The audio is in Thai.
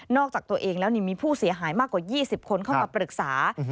จากตัวเองแล้วมีผู้เสียหายมากกว่า๒๐คนเข้ามาปรึกษา